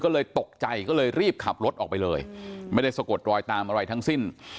ก็เลยตกใจก็เลยรีบขับรถออกไปเลยไม่ได้สะกดรอยตามอะไรทั้งสิ้น